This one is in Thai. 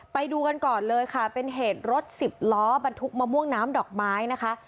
ไปดูกันก่อนเลยค่ะเป็นเหตุรถสิบล้อบรรทุกมะม่วงน้ำดอกไม้นะคะ